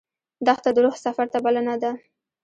دښته د روح سفر ته بلنه ده.